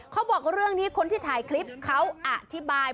เขาบอกเรื่องนี้คนที่ถ่ายคลิปเขาอธิบาย